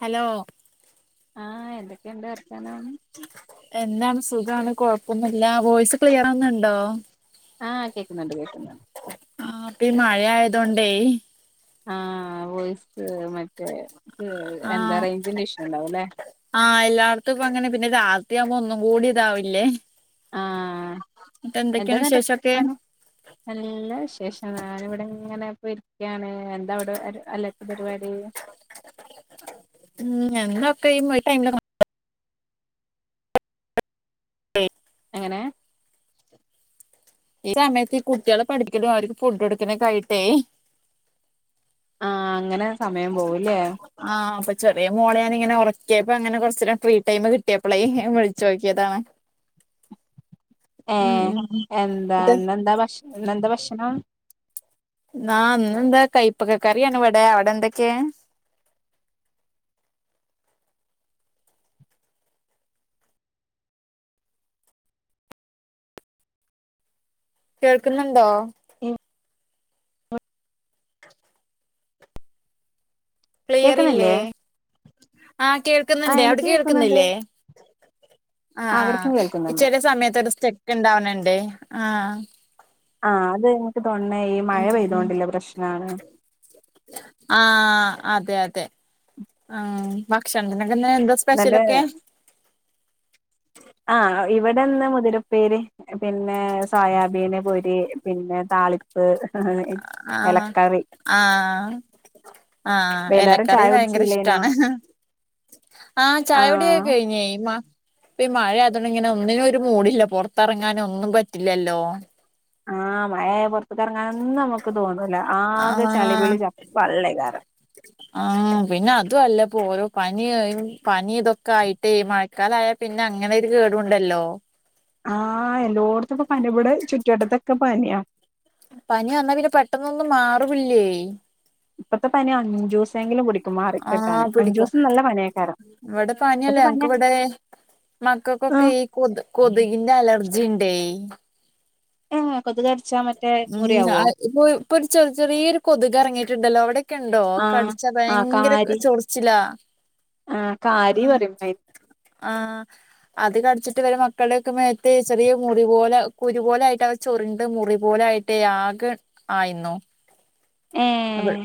Hello ആഹ് എന്തൊക്കെയുണ്ട് വർത്താനം എന്താണ് സുഖാണ് കൊഴപ്പൊന്നുല്ല വോയിസ് ക്ലിയറാവ്ന്ന്ണ്ടോ ആഹ് കേൾക്ക്ന്ന്ണ്ട് കേൾക്ക്ന്ന്ണ്ട്. ആഹ് ഇപ്പീ മഴ ആയതൊതോണ്ടേയ് ആഹ് വോയിസ്‌ ക് മറ്റേ ക് എന്താ ആഹ് റേഞ്ചിന്റെ ഇഷ്യൂ ഉണ്ടാവുല്ലേ ആഹ് എല്ലടുത്തുപ്പൊ അങ്ങനെ പിന്നെ ഇത് രാത്രിയാവുമ്പോ ഒന്നും കൂടി ഇതാവില്ലേ ആഹ് എന്നിട്ട് എന്തൊക്കെയാണ് എന്താന്നട്ട് വിശേഷൊക്കെ ത്താനം നല്ല വിശേഷം ഞാനിവിടെ ഇങ്ങനെപ്പൊ ഇരിക്കയാണ് എന്താ അവിടെ അല്ലാത്ത പരിപാട ഉം ഞങ്ങക്കെ ഈ മൊയ് ടൈമ [unintelligible] [unintelligible] എങ്ങനെ ഈ സമയത്ത് ഈ കുട്ടികളെ പഠിപ്പിക്കലും അവർക്ക് ഫുഡ് കൊടുക്കലൊക്കെ ആയിട്ടേ ആഹ് അങ്ങനെ സമയം പോവൂല്ലേ ആഹ് അപ്പൊ ചെറിയ മോള ഞാനിങ്ങനെ ഒറക്കിയപ്പൊ അങ്ങനെ കൊറച്ചരം ഫ്രീ ടൈം കിട്ടിയപ്പളെയ് ഞാൻ വിൾ ചോക്കിയതാണ് ഏഹ് എന്താ ന്ന്ന്താ ഭഷ് ഇന്നെന്താ ഭഷണം. ന്നാ ഇന്നെന്താ കൈപ്പക്ക കറിയാണ് ഇവിടെ അവിടെ എന്തൊക്കെയ കേൾക്കുന്നുണ്ടോ [inaudible] കേക്കുന്നില്ലേ ക്ലിയറില്ലേ ആഹ് കേൾ ആഹ് ക്ക്ന്ന്ണ്ടെ അവിടെ എനിക്ക് കേക്കുന്നുണ്ട് കേൾക്കുന്നില്ലേ ആഹ് അവിടക്കും ആഹ് കേൾക്കുന്നുണ്ട് ചെല സമയത്ത് ഒരു സ്റ്റ ക്ക് ഇണ്ടാവണണ്ട് ആഹ്. ആഹ് അത് എനിക്ക് തോണ്ണേ ഈ മഴ പെയ്തോണ്ടില്ല പ്രശ്നാണ്. ആഹ് അതെ അതെ ആഹ് ഭക്ഷണത്തിനൊക്കെ ന്ന് എന്താ എന്നിട്ട് സ്പെഷ്യലൊക്കെ ആഹ് ഇവിടെ ഇന്ന് മുതിരുപ്പേരി. പിന്നെ സോയാബീന് പൊരി, പിന്നെ താളി പ്പ്‌ ആഹ് എലക്കറി ആഹ് ആഹ് വൈന്നേരം എലക്കറി ചായ കുടിച്ചില്ലേനോ ഭയങ്കരഇഷ്ട്ടാണ്. ആഹ് ചായൊടിയൊക്കെ കെയ്ഞ്ഞൊയ് ഇപ്പഈമയാതോണ്ട് ഇങ്ങനെ ഒന്നിനും ഒര് മൂടില്ല പൊർത്തിറങ്ങാനൊന്നും പറ്റില്ലല്ലോ. ആഹ് മയായ പൊർക്ക്ർങ്ങാനൊന്നും അമ്മക്ക് തോന്നൂല ആകെ ആഹ് ചളിപിളി ച വള്ളയ്ക്കാരിം. ആഹ് പിന്നെതുല്ലപ്പോ ഓരോ പനി പനി ഇതൊക്കെ ആയിട്ടേയ് മയ ഴക്കാലായ പിന്നെഅങ്ങനൊരു കേടുണ്ടല്ലോ ആഹ് എല്ലോട്ത്തും ഇപ്പോ പനിഇബ്ടെ ചുറ്റ് വട്ടത്തൊക്കെ പനിയാ പനിഅർന്നാ പിന്നെ പെട്ടെന്നൊന്നും മാറില്ലേയ് ഇപ്പയത്തെ പനിഅഞ്ചുസെങ്കിലും പിടിക്കുംമാറി കിട്ടാന് അഞ്ചൂസം ന്നല്ലേ പനിയ്ക്കാരം. ഇവടെ പനിയല്ല ഞക്ക് ഇവടെ മക്കൾക്കൊക്കെ ആഹ് ഈ കൊത് കൊതുകി അലർജിഇണ്ടെയ്. ഉം കൊത്ക് കടിച്ചാമറ്റേ മുറിയവോ? ഇപ്പൊരു ചെറുചെറിയൊരു കൊത്ക് എറങ്ങിട്ടുണ്ടല്ലോ അവിടെ ക്കെണ്ടോ ആഹ് അകടിച്ചാ ആഹ് ഭയങ്കെര കാരി ചൊർച്ചിലാ ആഹ് കാരി പറയും അയിന് ആ അത്കടിച്ചിട്ട് ഇവരെ മക്കളുടെഒക്കെ മേത്ത് ചെറിയമുറിപോലെ കുരു പോലയിട്ടാ ചുർണ്ട് മുറിപോലായ്ട്ട് ആകെ ആയ്ന്നു [unintelligible] ഏഹ്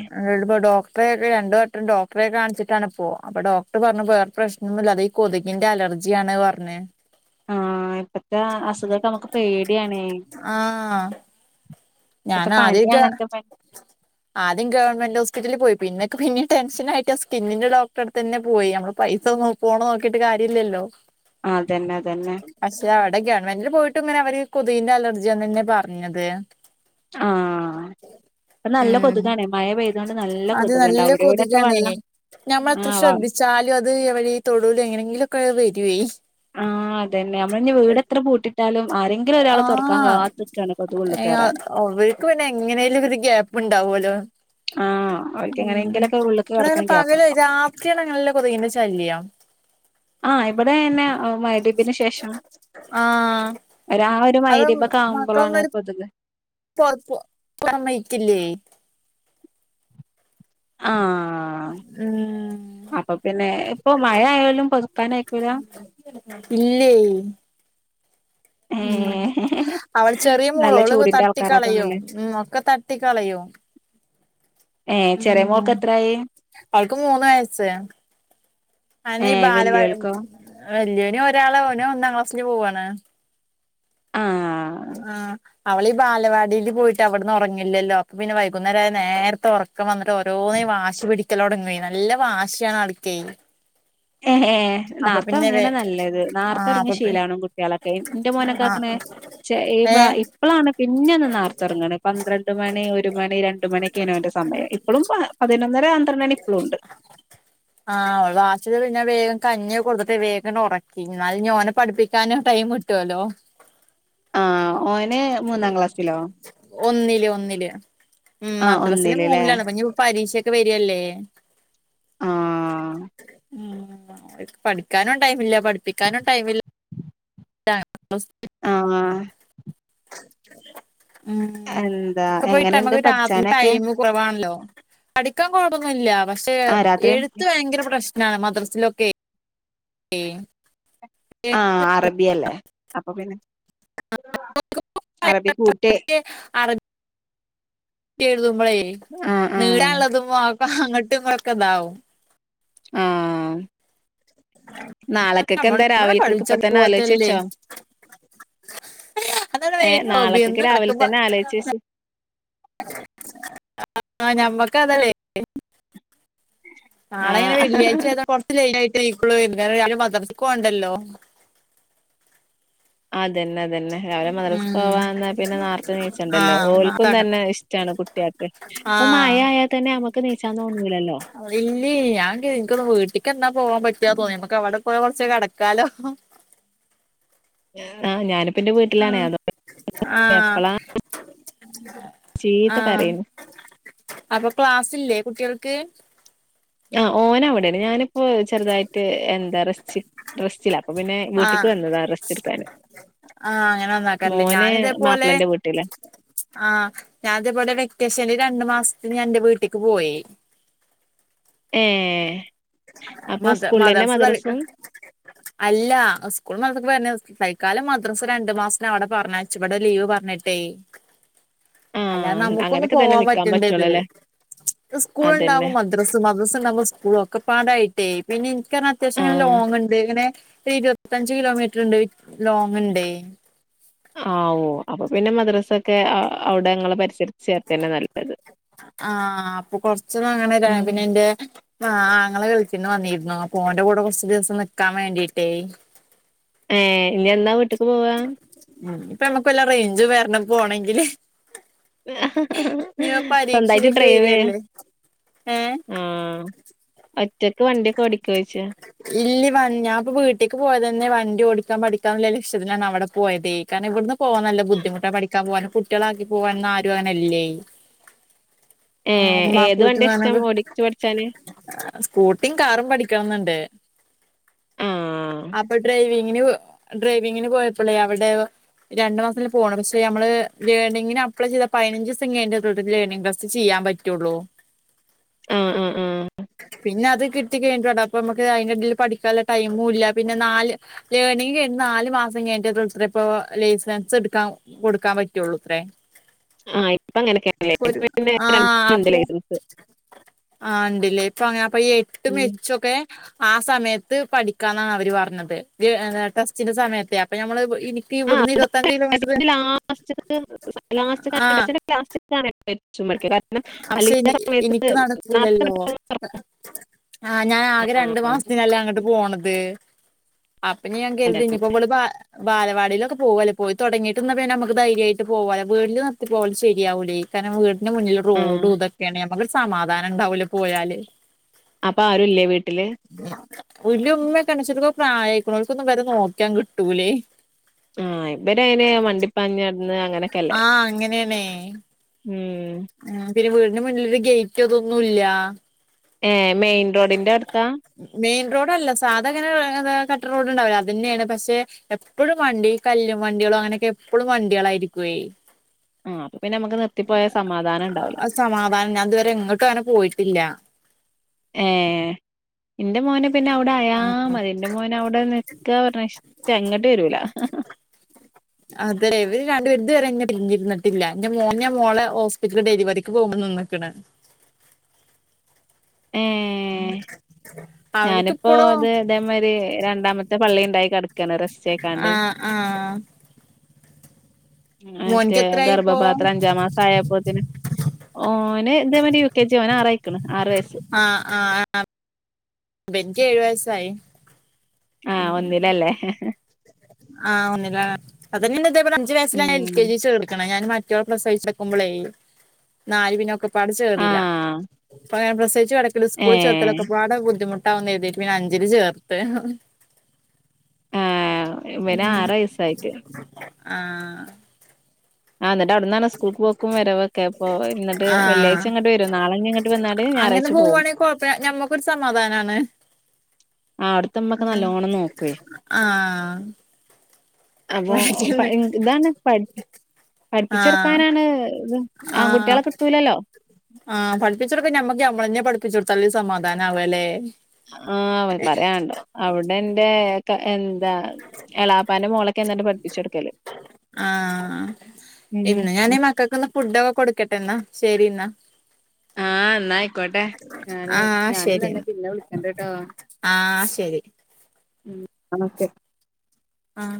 പ്പായൊക്കെ രണ്ട് വെട്ടംഡോക്ടറെ കാണിച്ചിട്ടാണ്പ്പോ അപ്പോഡോക്ർ പറഞ്ഞു വേറെപ്രശ്നൊന്നുല്ല അതെയ് കൊതുകിന്റെ അലർജിയാണ് പറഞ്ഞ് ആഹ് ഇപ്പത്തെ അസുകൊക്കെ അമ്മക്ക് പേടിയാണേ ആ ഇപ്പത്തെ ഞാനാ പനി തിയ്റ്റാ അങ്ങനത്തെ പനി ആദ്യംഗവൺമെന്റ് ഹോസ്പിറ്റലിൽ പോയി പിന്നെക്ക് പിന്നിം ടെൻഷൻായിയിട്ട് സ്കിന്നിന്റെ ഡോക്ടറെട്തെന്നെപോയി ഞമ്മൾ പൈസ നോക്കി പോണ്ത് നോക്കിട്ട്കാര്യല്ലല്ലോ അതെന്നെ, അതെന്നെ പക്ഷെ അവടെ ഗെവെൺമെന്റിൽ പോയിട്ട് ഇങ്ങനെഅവര് കൊത് കിന്റെ അലർജിയാന്നപറഞ്ഞത്. ആഹ് ഇപ്പന്നല്ല ഉം കൊതുകാണ് മഴ പെയ്തോണ്ട് കൊണ്ട് നല്ലെ കൊതുക്ണ്ട് അവ്ടി എവിടെയൊക്കെ വള്ളം ഞമ്മളെത്രേ ശ്രദ്ധിച്ചാലുംഅത്ഇവടെ തൊടൂല് എങ്ങനെങ്കിലൊക്കെ വെരുയ് ആഹ് അതെന്നെഅമ്മള്ഞ്ഞി വീട്എത്ര പൂട്ടി ആഹ് കൊതുക് ഉള്ള് കേറാന് എഅവ്വർക്ക് പിന്നെഎങ്ങനെലൊരു ഗ്യാ വ്ണ്ടാവലോ ആഹ് അവർക്ക് എങ്ങനെങ്കിലൊക്കെ ഉള്ള്ക്ക് കടക്കാൻ ടപകല് ഗ്യാപ്പ്ണ്ടാവും രാ ച്ചിങ്ങനെഅല്ല കൊതുകിന്റെശല്യം. ആഹ് ഇവടെന്നെമ ആഹ് ഹ്‌രിബ്ന്റെശേഷംരാവ് അത് ഇമഗ്‌രിബ് കാവുമ്പോളാണ്കൊതുക് ഇപ്പോത് പോ ക്ലമ്മെറ്റ്ല്ലേ ആഹ് ഉം അപ്പൊപിന്നെ ഇപ്പൊമഴയാലും പൊതുക്കാനയ്ക്കൂല? ഇല്ലേയ് ഏ ഉം അവള്ചെറിയമോള് നല്ല ചൂടിന്റെ ഓൾതട്ടി ആൾക്കാരാ കളയും തോന്നില്ലേ ഉം ഒക്കെതട്ടികളയും. ഏ ചെറിയ മോൾക്ക് എത്രായി ഉംഅവൾക്ക്മൂന്ന് വയസ്സ് അയെന്നേ ഏ ഈ ബാലവാ വല്യോൾക്കോ വല്ലിയാൾ ഒന് ഒന്നാംക്ലാസ്സില് പോവാണ്. ആഹ് ആഹ് അവളീ വാലവാടിയിൽപോയിട്ട് അവിടന്ന് ഒറങ്ങില്ലല്ലോഅപ്പൊപിന്നെ വൈകുന്നേരായ നേരത്തെഒറക്കം വന്ന് ഓരോന്ന് വാശിപിടിക്കലൊടങ്ങുയ് ന്നല്ലേവാശിയാണ്അൾക്കെയ് എ ഹെ വേ ന്നാർത്തൊറങ്ങെന്നേ ന്നല്ലേത് ആഹ് അപ്പൊ പി നാർത്തെഒർങ്ങിശീലാവണം കുട്ടികയാളൊക്കെ ഇന്റെമോനൊക്കെ ആഹ് ആക്ക്ണ് ചെ ഇ ഏഹ് ഇപ്പളാണ് പിന്നെ ഒന്ന് നേരത്തെ ഉറങ്ങണ പന്ത്രണ്ട് മണി ഒരു മണി രണ്ട് മണിയൊക്കെയാണ് അവന്റെ സമയം ഇപ്പളും പതിനൊന്നര പന്ത്രണ്ടണി ഇപ്പളുണ്ട് ആ് വാച്ചത് വേഗം കഞ്ഞി കൊടുത്തിട്ട് വേഗം ഉറക്കി എന്നാല് ഓനെ പഠിപ്പിക്കാന് ടൈം കിട്ടുവല്ലോ ആ ഓന് മൂന്നാം ക്ലാസ്സിലോ ഒന്നില് ഒന്നില് ഉം ആ മദ്രാസില് ഒന്നില്ല്ലേ മൂന്നിലാണ് ഇപ്പൊ ഇനി പരീക്ഷൊക്കെ വരല്ലേ ആ ഉം പഠിക്കാനും ടൈമില്ല പഠിപ്പിക്കാനും ടൈമില്ല [unintelligible] ആഹ് ഉം എന്താ ഒക്കെ പോയിട്ട് എങ്ങനെണ്ട് നമ്മക്ക് രാത്രി പഠിച്ചാനൊക്കെ ടൈമ് കുറവാണല്ലോ പഠിക്കാൻ കുഴപ്പൊന്നുല്ല പക്ഷേ ആ രാത്രി എഴുത്ത് ഭയങ്കര പ്രശ്ന മദ്രാസിലൊക്കെ ഏഹ് ആഹ് അറബിയല്ലേ അപ്പൊ പിന്നെ അറബി കൂട്ടി [unintelligible] അറ എഴുതുമ്പളെ ആഹ് ആഹ് ഇള്ളാള്ളതും പോക്ക അങ്ങോട്ടും ഇങ്ങൊക്കെ ഇതാവും ആഹ് നമ്മ നാളക്കക്കെന്താ നമ്മളെ രാവിലക്കൊക്കെ പഠിച്ച ഇപ്പതന്നെ ആലോചിച്ച് പോലത്തല്ലേ വെച്ചോ അതാണ് ഏ മെയിൻ ഹോബി നാളക്കക്ക് എന്ന് രാവിലെ കിടക്കുമ്പോ തന്നെ ആലോചിച്ച് വച്ചു ആ ഞമ്മക്ക് അതല്ലേ നാളെങ്ങനെ ആഹ് വെള്ളിയാഴ്ച ആയത് കൊറച്ച് ലേറ്റ് ആയിട്ട് നീക്കൂളളു രാവിലെ മദ്രസക്ക് പോണ്ടല്ലോ അതന്നെ അതന്നെ രാവിലെ മദ്രസ ഉം പോവാന്ന പിന്നെ നേരത്തെ നീച്ചുണ്ടല്ലോ ആഹ് ഓൽക്കും നാത്താക്ക തന്നെ ഇഷ്ടാണ് കുട്ടികൾക്ക് ഇപ്പൊ ആഹ് മഴായാൽ തന്നെ നമ്മുക്ക് നീചാൻ തോന്നൂല്ലല്ലോ ഇല്ലേ ഞാൻ ഇൻക്ക് ഒന്ന് വീട്ടക്ക് എന്നാ പോവാൻ പറ്റാ തോന്നി നമക്ക് അവിടെ പോയി കുറച്ച് കിടക്കാലോ ആഹ് ഞാന് ഇപ്പിന്റെ വീട്ടിലാണ് ആഹ് അത് ആഹ് എപ്പളാ ചീത്ത ആഹ് പറയും അപ്പൊ ക്ലാസ്സില്ലേ കുട്ടികൾക്ക് ആഹ് ഓന് അവിടെയാണ് ഞാനിപ്പോ ചെറുതായിട്ട് എന്താ റസ്റ്റ് റസ്റ്റില്ലാ അപ്പൊ പിന്നെ വീട്ടിക്ക് ആഹ് വന്നതാ റസ്റ്റ് എടുക്കാന് ആഹ് അങ്ങനെ വന്നാക്കാറല്ലേ മോന് ഞാന് ഇതേപോലെ മാപ്പിളന്റെ വീട്ടിലാ ആഹ് ഞാന് ഇതേപോലെ വെക്കേഷൻ രണ്ടു മാസത്തിന് ഞാൻ എന്റെ വീട്ടിലേക്ക് പോയി ഏഹ് അപ്പൊ മദ സ്കൂളന്നെ മദർസ തൽക്ക മദ്രസും അല്ല സ്കൂൾ മദ്രസൊക്കെ പറഞ്ഞ തൽക്കാലം മദ്രസ രണ്ടു മാസത്തിന് അവിടെ പറഞ്ഞ ച്ച് ഇവിടെ ലീവ് പറഞ്ഞിട്ടേ അല്ലാ ആഹ് നമുക്കൊന്ന് അങ്ങനൊക്കെ തന്നെ പോവാൻ നിക്കാൻ പറ്റണ്ടേ ഇത് പറ്റുള്ളൂല്ലേ ത് സ്കൂൾ അതന്നെ ഇണ്ടാവും മദ് മദ്രസ് മദ്രസ് ഇണ്ടാവുമ്പോ സ്കൂള് ഒക്കെ പാടായിട്ടേ പിന്നെ എനിക്ക് പറഞ്ഞ അത്യാവിശ്യം ഇങ്ങനെ ആഹ് ലോങ്ണ്ട് ഇങ്ങനെ ഒരു ഇരുപത്തഞ്ച് കിലോമീറ്റർ ഉണ്ട് ലോങ് ഉണ്ടേ ആവോ അപ്പൊ പിന്നെ മദ്രസൊക്കെ അവിടെങ്ങളെ പരിസര ആഹ് അപ്പൊ കൊറച്ച് അങ്ങനെ ര ഉം പിന്നെ എന്റെ ആഹ് ആങ്ങള ഗൾഫിന്ന് വന്നിരുന്നു അപ്പോ ഓന്റെ കൂടെ കുറച്ചു ദിവസം നിക്കാൻ വേണ്ടീട്ടേ ഏ ഇനി എന്നാ വീട്ടിക്ക് പോവാ ഉം ഇനിപ്പൊ നമ്മുക്ക് വല്ല റേഞ്ച് വരണം പോകണെങ്കില് സ്വന്തായിട്ട് പരീക്ഷയിലൊക്കെ ഡ്രൈവ് ചെ വരികല്ലേ ഏഹ് ആഹ് ഒറ്റക്ക് വണ്ടിയൊക്കെ ഓടിക്കോഴ്ച്ച ഇല്ല വ ഞാൻ ഇപ്പോ വീട്ട്ക്ക് പോയത് തന്നെ വണ്ടി ഓടിക്കാൻ പഠിക്കാനുള്ള ലക്ഷ്യത്തിലാണ് അവിടെ പോയത് കാരണം ഇവിടന്ന് പോവാൻ നല്ല ബുദ്ധിമുട്ട പഠിക്കാൻ പോകാൻ കുട്ടികളാക്കി പോകാന് ആരും ഇങ്ങനെയില്ലേ ഏഹ് ഏത് വണ്ട്യാ ഇഷ്ടം ഓടിച്ചു പഠിച്ചാന്. ആഹ് സ്കൂട്ടീം കാറും പഠിക്കാണം ന്ന്ണ്ട്. ആഹ് അപ്പൊ ഡ്രൈവിങ്ങിന് ഡ്രൈവിങ്ങിന് പോയപ്പളേ അവടെ രണ്ടു മാസത്തിനല്ലെ പോണത് പഷേ നമ്മള് ലേണങ്ങിന് അപ്ലൈ ചെയ്താ പതിനഞ്ച് ദിവസം കഴിഞ്ഞിട്ടേത്രേള്ളു ലേണിംഗ് ടെസ്റ്റ്‌. ച്ച് ചെയ്യാൻ പറ്റൊള്ളൂ ആഹ് ആഹ് ആഹ് പിന്നെ അത് കിട്ട് ട്ടികഴിഞ്ഞിട്ട് വേണം അപ്പൊമ്മക്ക് അതിന്റെടില് പഠിക്കാനുള്ളടൈമുല്ല പിന്നെ നാല് ലേണിങ്ങ് കഴിഞ്ഞ് നാല് മാസം കഴിഞ്ഞട്ടെത്രതൊള്ളു പ്പൊ ലൈസൻസ് ട്ക്കാം കൊടുക്കാൻ പറ്റൊള്ളുത്രേ ആഹ് ഇപ്പ അങ്ങനെക്കേണ്ലേ ഇപ്പ പിന്നെ രണ്ടിനോണ്ട് ലൈസൻസ്. ആഹ് ഇണ്ട്ല്ലേ ഇപ്പൊ അങ്ങനെ അപ്പൊ ഈ എട്ടും ഉം എച്ചൊക്കെ ആ സമയത്ത് പഠിക്കാന്നാ അവര് പറഞ്ഞത് ഏ ടെസ്റ്റിന്റെ സമയത്തെ അപ്പൊ ഞമ്മള് ഈ നി [unintelligible] ആ ഇവിട്ന്ന് അത് ഇരുവത്തഞ്ച് കിലോമീറ്ററ് ടെസ്റ്റിന്റെ ആഹ് ലാസ്റ്റ്ക്കാണെ. [unintelligible] [unintelligible] എനിക്ക് നേരത്തെ നടക്കൂലല്ലോ പെട്ടെന്ന് തുറക്കും ആഹ് ഞാൻ ആ ആകെ രണ്ട് മാസത്തിനല്ലേ അങ്ങട്ട് പോണത് അപ്പഞ്ഞി ഞാൻ അതെ കരുതി അതെ. ഇനിപ്പൊ ഇവള് ബാ ബാലവാടിലൊക്കെ പോവൊലേ പോയി തൊടങ്ങീട്ട്ന്നാ പിന്നെ നമ്മക്ക് ധൈര്യായിട്ട് പോവലോ വീടില് നിർത്തി പോവല് ശരിയാവൂലേ കാരണം വീട്ട്ന്റെ മുന്നില് ആ റോഡും ഇതക്കേണെ ഞമ്മക്കൊരു സമാധാനം ണ്ടാവൂല പോയാല്. അപ്പ ആരുല്ലേ വീട്ടില് വീട്ടില് ഉമ്മയൊക്കെണ്ട് പക്ഷേ ഓര്കൊക്കേ പ്രായായിക്കുണു ഓൽക്കൊന്നും ഇവരെ നോക്കാൻ കിട്ടൂലേ. ആഹ് ഇവരങ്ങനെ മണ്ടിപ്പാഞ്ഞടന്ന് അങ്ങനെക്കല്ലേ. ആഹ് മ്ഹ് ആഹ് പിന്നെ വീടിന്റെ മുന്നിലൊരു ഗേറ്റ് അതൊന്നുല്ലാ. ഏഹ് മെയിൻ റോഡിന്റെ അട്ത്താ മെയിൻ റോഡല്ല സാധാങ്ങനെ കട്ട് റോഡ്ണ്ടാവൂല്ലേ അതന്നേണ് പക്ഷേ എപ്പഴും വണ്ടി കല്ലും വണ്ടികളും അങ്ങനെയൊക്കെ എപ്പളും വണ്ടികളായിരിക്കുവേ ആഹ് അപ്പൊ പിന്നെ അമ്മക്ക് നിർത്തിപ്പോയാ സമാധാനണ്ടാവൂല അത് സമാധാനം ഞാൻ ഇതുവരെ എങ്ങ്ട്ടും അങ്ങനെ പോയിട്ടില്ലാ ഏഹ് ന്റെ മോന് പിന്നെ അവിടെ അയാ മതി ന്റെ മോന് അവിടെ നിക്കാ പറഞ്ഞ ഇഷ്ട്ടാ ഇങ്ങട്ട് വരൂലാ അതേ ഇവര് രണ്ടുപേരും ഇത് വരെ എന്നെ പിരിഞ്ഞിരുന്നിട്ടില്ല എന്റെ മോനേം മോളേം ഹോസ്പിറ്റൽ ഡെലിവറി [unintelligible] പോവ്മ്പോ നിന്ന്ക്ക്ണ്. ഉം. ഞാന്പ്പോ ഇത് ഇതേമാരി രണ്ടാമത്തെ പള്ളിണ്ടായി കെടക്കാണ് റെസ്റ്റായിക്കാണ്ട്. ആഹ് മറ്റേ മോനിക്ക് എത്രായിപ്പോ ഗർഭപാത്രം അഞ്ചാം മാസായപ്പോത്തേന് ഓ ന് ഇതേമാരി യു കെ ജി യാ ഓന് ആറയ്ക്കണ് ആറ് വയസ്സ്. ആഹ് ആഹ് ഇബൻക്ക് ഏഴ് വയസ്സായി. ആഹ് ഒന്നിലല്ലേ ആഹ് ഒന്നിലാണ് അതെന്നെ ഇന്ന് ഇതെ പോലെ അഞ്ച് വയസ്സിലാ ഞാൻ എൽ ഉം കെ ജി ചേർക്കണെ ഞാന് മ [unintelligible] പ്രസവിച്ച് കെടക്കുമ്പളേ നാല് പിന്നൊക്ക പാടെ ചേർന്നീല്ലാ ആഹ് പ്പങ്ങനെ പ്രസവിച്ച് കെടക്കലും സ്കൂളി ചേർത്തല് ഏഹ് ഒക്കെപാടെ ബുദ്ധിമുട്ടാവുന്ന് കരുതീട്ട് പിന്നെ അഞ്ചില് ചേർത്ത് ആഹ് ഇവന് ആറ് വയസ്സായിറ്റ് ആഹ് ആഹ് എന്ന്ട്ട് അവ്ട്ന്നാണോ സ് കൂൾക്ക് പോക്കും വരവൊക്കെ ഇപ്പോ എന്ന്ട്ട് വെള്ള്യാഴ്‌ച്ച ആ ഇങ്ങട്ട് വരും നാളെ ഇനി ഇങ്ങട്ട് വന്നാല് ഞാറാഴ്‌ച്ച പോവും കൊഴപ്പേ ഞമ്മ ക്കൊരു സമാധാനാണ് ആഹ് അവിടുത്തെ ഇമ്മക്കെ ആഹ് നല്ലോണം നോക്കുവേ ആഹ് അപ്പൊ പ പഠിക്കുന്ന് ഇതാണ് പഠി ആഹ് പഠിപ്പിച്ചോട്ക്കാനാണ് ആഹ് [unintelligible] ആഹ് പഠിപ്പിച്ചൊടുക്കാൻ നമ്മക്ക് നമ്മളന്നെ പഠിപ്പിച്ചൊട്ത്താലല്ലേ സമാധാനാവല്ലേ ആഹ് അവര് പറയാൻണ്ടോ അവിടെ ന്റെ ക എന്താ എളാപ്പാന്റെ മോളൊക്കെ എന്നിട്ട് പടിപ്പിച്ചൊടുക്കല് ആഹ് ഉം എന്നാ ഞാന് മക്കക്കൊന്ന് ഫുഡൊക്കെ കൊടുക്കട്ടെ എന്നാ ശരി എന്നാ ആഹ് എന്നാ ആയിക്കോട്ടെ ഞാന് ആഹ് ഞാനും ശരി തന്നെ എന്നാ പിന്നെ വിളിക്കണ്ട്ട്ടോ ആഹ് ശരി ഉം അന്നാ ഓക്കെ. ആഹ്.